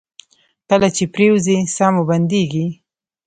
کله چې پریوځئ ساه مو بندیږي؟